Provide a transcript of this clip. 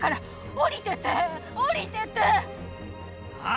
下りてて！